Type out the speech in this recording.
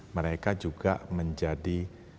mereka juga menjadi